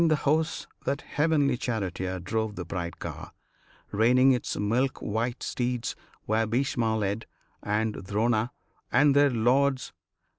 Between the hosts that heavenly Charioteer Drove the bright car, reining its milk white steeds Where Bhishma led, and Drona, and their Lords.